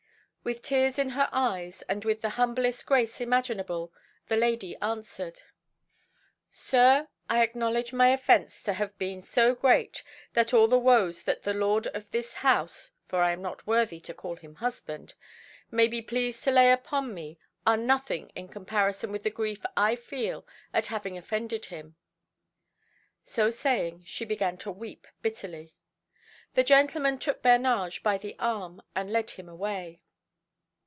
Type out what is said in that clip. With tears in her eyes, and with the humblest grace imaginable, the lady answered "Sir, I acknowledge my offence to have been so great that all the woes that the lord of this house (for I am not worthy to call him husband) may be pleased to lay upon me are nothing in comparison with the grief I feel at having offended him." So saying, she began to weep bitterly. The gentleman took Bernage by the arm and led him away.